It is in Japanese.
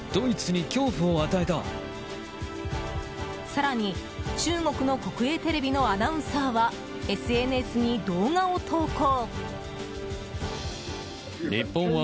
更に中国の国営テレビのアナウンサーはＳＮＳに動画を投稿。